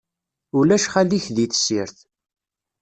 Ulac xali-k, di tessirt.